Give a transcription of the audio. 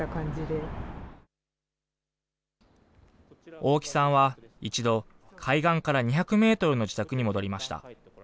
大木さんは一度、海岸から２００メートルの自宅に戻りました。